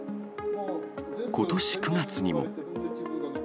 ことし９月にも。